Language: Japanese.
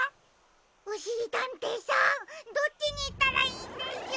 おしりたんていさんどっちにいったらいいんでしょう？